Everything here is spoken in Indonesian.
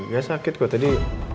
gak sakit kok tadi